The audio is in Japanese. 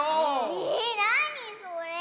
えなにそれ？